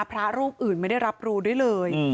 พระรูปอื่นไม่ได้รับรู้ด้วยเลย